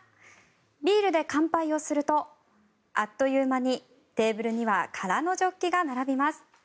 ビールで乾杯をするとあっという間にテーブルには空のジョッキが並びます。